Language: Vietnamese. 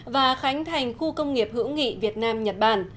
và khánh thành khu công nghiệp hữu nghị việt nam nhật bản